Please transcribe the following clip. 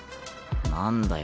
何だよ